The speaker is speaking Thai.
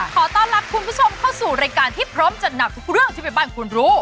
ขอต้อนรับคุณผู้ชมเข้าสู่รายการที่พร้อมจัดหนักทุกเรื่องที่แม่บ้านคุณรู้